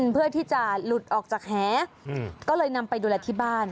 เพื่อที่จะหลุดออกจากแหก็เลยนำไปดูแลที่บ้าน